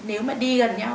nếu mà đi gần nhau